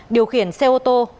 điều khiển xe ô tô